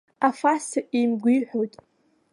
Афаса еимгәиҳәоит.